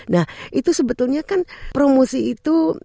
nah itu sebetulnya kan promosi itu